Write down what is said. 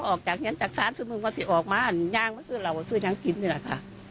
ออกจากเนี้ยจากซ้านซึ่งมึงว่าสิออกมาย่างมาซื้อเหล่าซื้อน้ำกินนี่แหละค่ะ